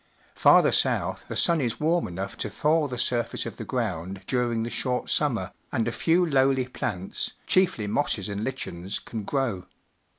Farther south the sun is warm enough to thaw the surface of the ground during the short summer, and a few lowly plants, chiefly mosses and lichens, can grow.